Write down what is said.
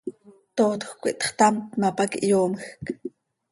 Tootjöc quih txtamt ma, pac ihyoomjc.